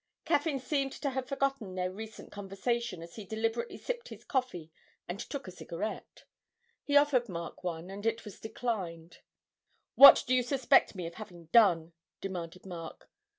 Caffyn seemed to have forgotten their recent conversation as he deliberately sipped his coffee and took a cigarette; he offered Mark one and it was declined. 'What do you suspect me of having done?' demanded Mark.